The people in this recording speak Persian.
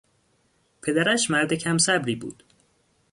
پدرش مرد کم صبری بود.